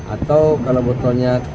atau kalau botolnya